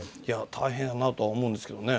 大変やなとは思うんですけどね。